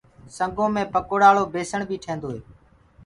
سنگو مي پڪوڙآݪو بيسڻ بي ٺيندوئي